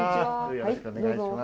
よろしくお願いします。